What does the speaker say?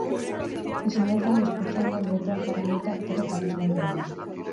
Diseinatzaile ospetsuenek betoa jarri diote aktore eta abeslari honi.